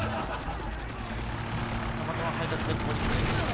たまたま配達でここに来て。